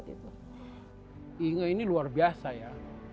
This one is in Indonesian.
inge ini luar biasa ya